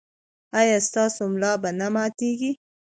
ایا ستاسو ملا به نه ماتیږي؟